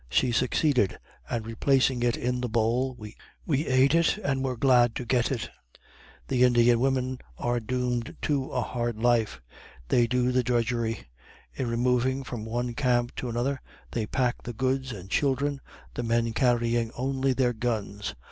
She succeeded, and replacing it in the bowl, we eat it, and were glad to get it. The Indian women are doomed to a hard life. They do the drudgery. In removing from one camp to another, they pack the goods and children the men carrying only their guns.